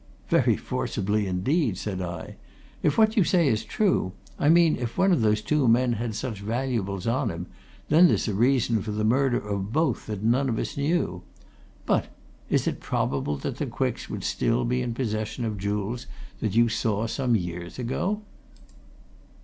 "Very forcibly, indeed!" said I. "If what you say is true I mean, if one of those two men had such valuables on him, then there's a reason for the murder of both that none of us knew of. But is it probable that the Quicks would still be in possession of jewels that you saw some years ago?"